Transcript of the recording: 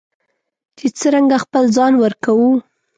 چې څرنګه خپل ځان ورکوو.